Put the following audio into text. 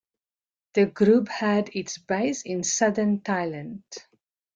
The group had its base in Southern Thailand.